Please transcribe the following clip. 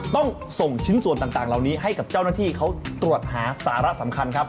ต้องส่งชิ้นส่วนต่างเหล่านี้ให้กับเจ้าหน้าที่เขาตรวจหาสาระสำคัญครับ